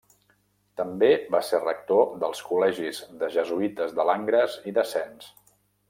També va ser rector dels col·legis de jesuïtes de Langres i de Sens.